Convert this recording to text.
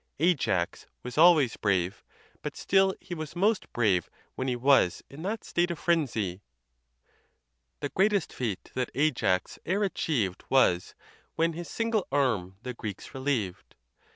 Ajax was always brave; but still he was most brave when he was in that state of frenzy: The greatest feat that Ajax e'er achieved Was, when his single arm the Greeks relieved.